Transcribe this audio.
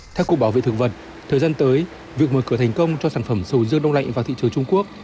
theo cục bảo vệ thực vật thời gian tới việc mở cửa thành công cho sản phẩm sầu riêng đông lạnh vào thị trường trung quốc